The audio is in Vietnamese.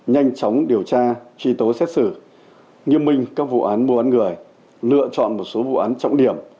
nhanh chóng điều tra truy tố xét xử nghiêm minh các vụ án mua bán người lựa chọn một số vụ án trọng điểm